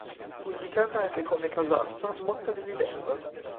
Fu indicata anche come "Casarsa-Motta di Livenza".